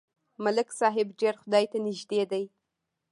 ملک صاحب ډېر خدای ته نږدې دی.